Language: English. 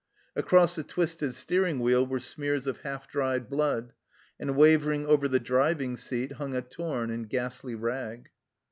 Across the twisted steering wheel were smears of half dried blood, and wavering over the driving seat hung a torn and ghastly rag.